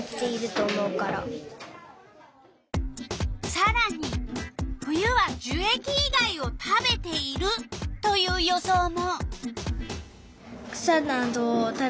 さらに冬は「じゅえき以外を食べている」という予想も。